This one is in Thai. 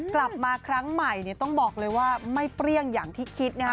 กลับมาครั้งใหม่เนี่ยต้องบอกเลยว่าไม่เปรี้ยงอย่างที่คิดนะฮะ